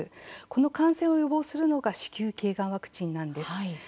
この感染を予防するのが子宮頸がんワクチンなんです。